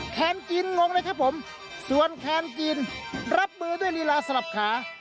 แคนกินงงเลยครับผมส่วนแคนกินรับมือด้วยลีลาสลับขา